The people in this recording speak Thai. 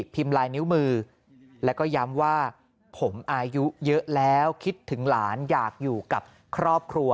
พิมพ์ลายนิ้วมือแล้วก็ย้ำว่าผมอายุเยอะแล้วคิดถึงหลานอยากอยู่กับครอบครัว